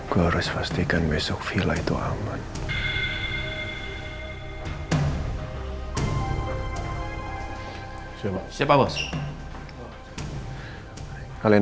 gue harus pastikan besok villa itu aman